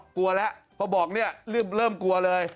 กลัวแล้วเพราะบอกเริ่มกลัวเลย